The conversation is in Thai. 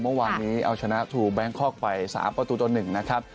เมื่อวานนี้เอาชนะทูแบงคอกไป๓ประตูต่อ๑นะครับ